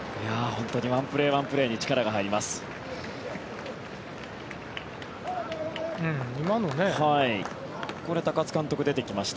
本当に１プレー、１プレーに力が入ります。